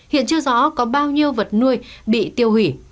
hiện chưa rõ có bao nhiêu vật nuôi bị tiêu hủy